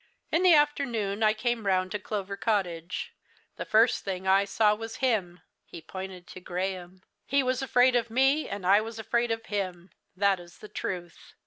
"In the afternoon I came round to Clover Cottage. The first thing I saw was him." He pointed to Graham. "He was afraid of me, and I was afraid of him that is the truth.